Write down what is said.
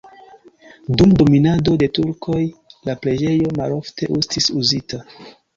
Dum dominado de turkoj la preĝejo malofte estis uzita.